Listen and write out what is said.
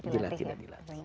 dilatih dilatih dilatih